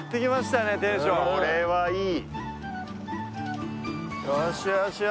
これはいい